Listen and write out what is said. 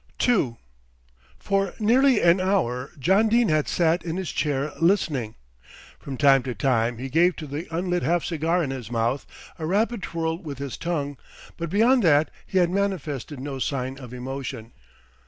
II For nearly an hour John Dene had sat in his chair listening. From time to time he gave to the unlit half cigar in his mouth a rapid twirl with his tongue; but beyond that he had manifested no sign of emotion.